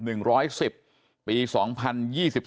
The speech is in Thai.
ส่วนเรื่องทางคดีนะครับตำรวจก็มุ่งไปที่เรื่องการฆาตฉิงทรัพย์นะครับ